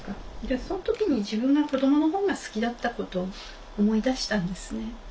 その時に自分が子どもの本が好きだったことを思い出したんですね。